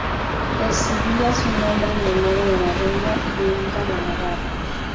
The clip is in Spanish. Recibía su nombre en memoria de la reina Blanca de Navarra.